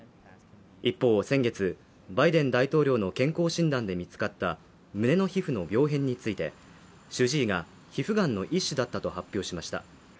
一方先月、バイデン大統領の健康診断で見つかった胸の皮膚の病変について、主治医が皮膚癌の一種だったと発表しました。